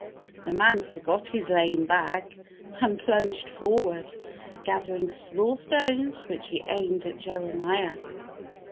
The man forgot his lame back and plunged forward, gathering small stones which he aimed at Jeremiah.